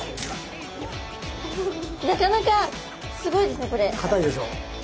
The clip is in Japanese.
なかなかすごいですねこれ。かたいでしょ。